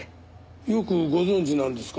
よくご存じなんですか？